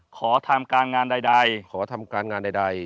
ขอทำการงานใด